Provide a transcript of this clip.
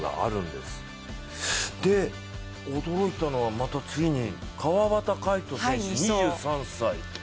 で、驚いたのはまたついに川端魁人選手、２３歳。